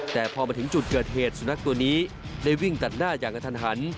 แต่พอมาถึงจุดเกิดเหตุสุนัขตัวนี้ได้วิ่งตัดหน้าอย่างกระทันหัน